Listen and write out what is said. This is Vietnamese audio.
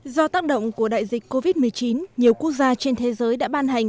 do tác động của đại dịch covid một mươi chín nhiều quốc gia trên thế giới đã ban hành